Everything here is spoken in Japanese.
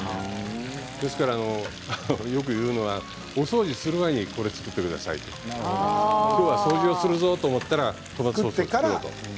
ですから、よく言うのはお掃除する前にこれを作ってくださいと言われると今日は掃除をするぞと思ったらトマトソースを作る。